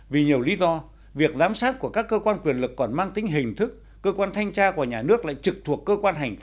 vì nhiều lý do việc giám sát của các cơ quan quyền lực còn mang tính hình thức cơ quan thanh tra của nhà nước lại trực thuộc cơ quan hành pháp